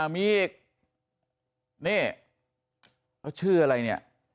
มีอีกนี่เขาชื่ออะไรเนี่ย